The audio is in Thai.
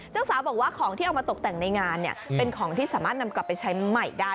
เจ้าสาวบอกว่าของที่เอามาตกแต่งในงานเนี่ยเป็นของที่สามารถนำกลับไปใช้ใหม่ได้